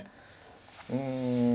うん。